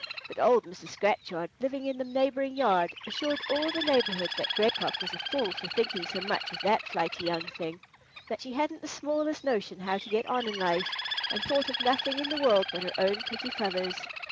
But old Mrs. Scratchard, living in the neighbouring yard, assured all the neighbourhood that Gray Cock was a fool for thinking so much of that flighty young thing; that she had not the smallest notion how to get on in life, and thought of nothing in the world but her own pretty feathers.